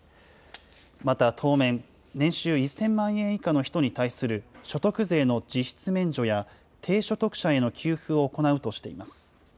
また、当面、年収１０００万円以下の人に対する所得税の実質免除や、低所得者への給付を行うとしています。